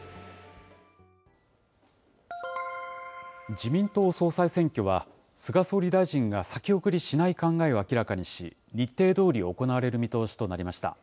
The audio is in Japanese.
自民党総裁選挙は、菅総理大臣が先送りしない考えを明らかにし、日程どおり行われる見通しとなりました。